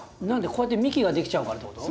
こうやって幹ができちゃうからってこと？